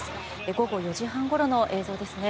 午後４時半ごろの映像ですね。